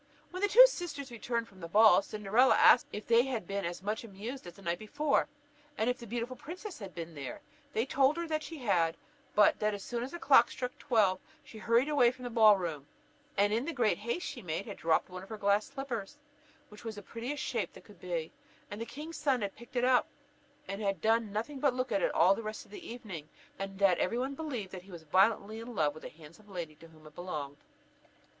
When the two sisters returned from the ball, Cinderella asked them if they had been as much amused as the night before, and if the beautiful princess had been there? They told her that she had; but that as soon as the clock struck twelve, she hurried away from the ball room, and in the great haste she had made, had dropped one of her glass slippers, which was the prettiest shape that could be; that the king's son had picked it up, and had done nothing but look at it all the rest of the evening; and that every body believed he was violently in love with the handsome lady to whom it belonged.